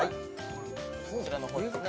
こちらの方ですね